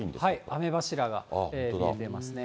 雨柱が見えてますね。